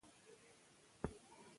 نثر د فصاحت د اصولو پيروي هم کوي.